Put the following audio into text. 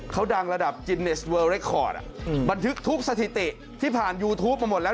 เขาดังระดับจินเนสเวอร์เรคคอร์ดบันทึกทุกสถิติที่ผ่านยูทูปมาหมดแล้ว